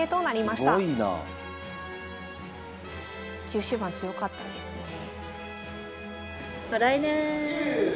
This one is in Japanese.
中終盤強かったですね。